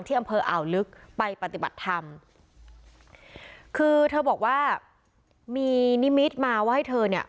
อำเภออ่าวลึกไปปฏิบัติธรรมคือเธอบอกว่ามีนิมิตมาว่าให้เธอเนี่ย